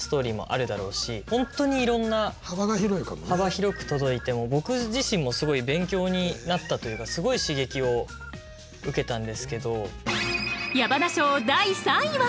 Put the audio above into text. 本当にいろんな幅広く届いて僕自身もすごい勉強になったというかすごい刺激を受けたんですけど。